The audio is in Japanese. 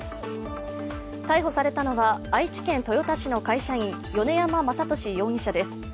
逮捕されたのは愛知県豊田市の会社員、米山正敏容疑者です。